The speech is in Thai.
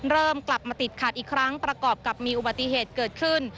เริ่มกลับมาติดขัดอีกครั้งประกอบกับมีอุบัติเหตุเกิดขึ้น